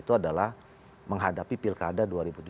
itu adalah menghadapi pilkada dua ribu tujuh belas